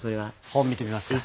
本見てみますか？